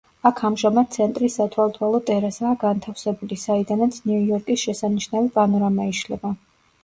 აქ ამჟამად ცენტრის სათვალთვალო ტერასაა განთავსებული, საიდანაც ნიუ-იორკის შესანიშნავი პანორამა იშლება.